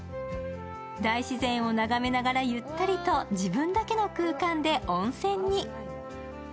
大自然を長めながらゆったりと自分だけの空間が温泉に。